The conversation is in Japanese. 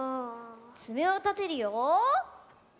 つめをたてるよ。